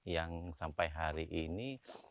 yang sampai hari ini